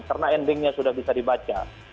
karena endingnya sudah bisa dibaca